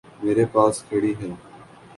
میرے پاس کھڑی ہے۔